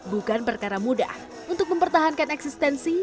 bukan perkara mudah untuk mempertahankan eksistensi